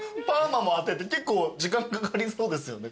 結構時間かかりそうですよね。